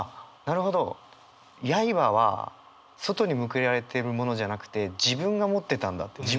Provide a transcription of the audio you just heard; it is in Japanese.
なるほど刃は外に向けられてるものじゃなくて自分が持ってたんだという。